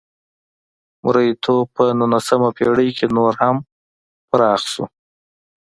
مریتوب په نولسمه پېړۍ کې نور هم پراخه شوه.